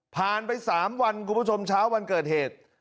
ผ่านไป๓วันคุณผู้ชมเช้าวันเกิดเหตุ